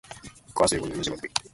だそい ｈｓｄｇ ほ；いせるぎ ｌｈｓｇ